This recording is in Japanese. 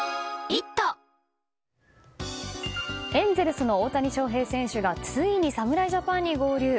エンゼルスの大谷翔平選手がついに侍ジャパンに合流。